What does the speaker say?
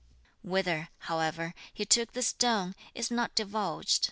Whither, however, he took the stone, is not divulged.